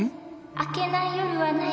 明けない夜はない。